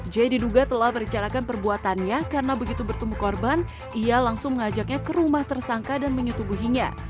j diduga telah merencanakan perbuatannya karena begitu bertemu korban ia langsung mengajaknya ke rumah tersangka dan menyutubuhinya